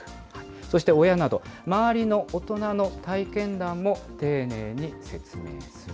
そして親など、周りの大人の体験談も丁寧に説明する。